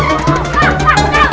aduh aduh aduh aduh